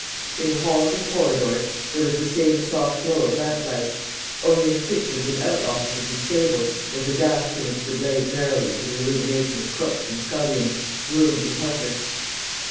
In the halls and corridors there was the same soft glow of lamplight. Only in kitchens and out offices and stables was the gas permitted to blaze merrily for the illumination of cooks and scullions, grooms and helpers.